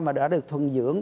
mà đã được thuần dưỡng